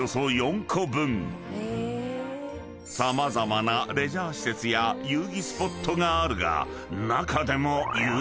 ［様々なレジャー施設や遊戯スポットがあるが］